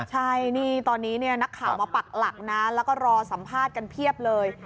ใช่นี่ตอนนี้นักข่าวมาปักหลักนะแล้วก็รอสัมภาษณ์กันเพียบเลย